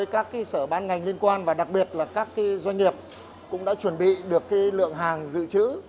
các sở bán ngành liên quan và đặc biệt là các doanh nghiệp cũng đã chuẩn bị được lượng hàng dự trữ